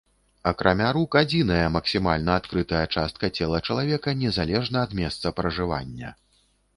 Акрамя рук, адзіная максімальна адкрытая частка цела чалавека, незалежна ад месца пражывання.